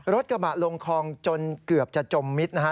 รถกระบะลงคลองจนเกือบจะจมมิตรนะฮะ